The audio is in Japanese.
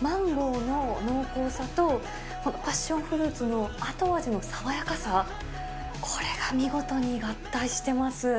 マンゴーの濃厚さと、パッションフルーツの後味の爽やかさ、これが見事に合体してます。